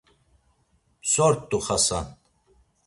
So’rt̆u Xasan.